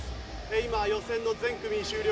今、予選の全組が終了。